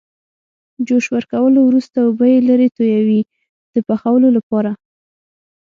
جوش ورکولو وروسته اوبه یې لرې تویوي د پخولو لپاره.